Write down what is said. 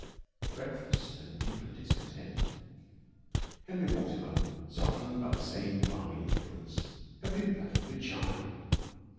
Breakfast had deepened his content. Henry Mortimer, softened by the same balmy influence, had been perfectly charming.